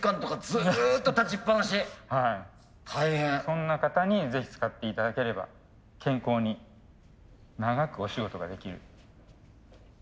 そんな方にぜひ使って頂ければ健康に長くお仕事ができる。